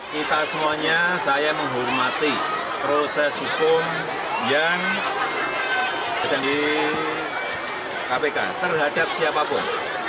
kita semuanya saya menghormati proses hukum yang ada di kpk terhadap siapapun